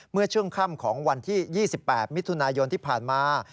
เมื่อช่วงค่ำของวันที่๒๘มิถุนายนที่ผ่านมา